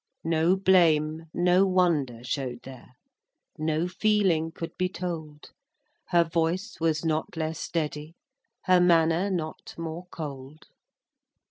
No blame, no wonder show'd there, No feeling could be told; Her voice was not less steady, Her manner not more cold.